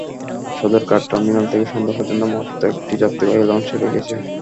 Sadarghat terminal থেকে সন্ধ্যা পর্যন্ত মাত্র একটি যাত্রীবাহী লঞ্চ ছেড়ে গেছে।